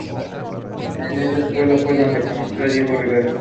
En esa escuela fue donde conoció a Diego Rivera.